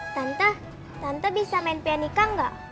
tante tante bisa main pianika nggak